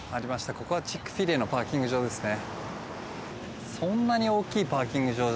ここがチックフィレイのパーキング場ですね。